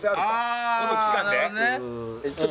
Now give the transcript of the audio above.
この期間で？